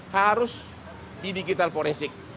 harus di digital forensik